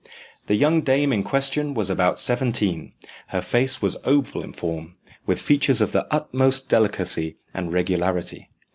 The young dame in question was about seventeen; her face was oval in form, with features of the utmost delicacy and regularity.